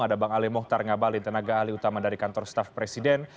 ada bang ali mohtar ngabalin tenaga ahli utama dari kantor staff presiden